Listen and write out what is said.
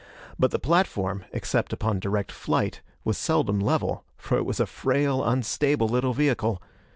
But the platform, except upon direct flight, was seldom level, for it was a frail, unstable little vehicle!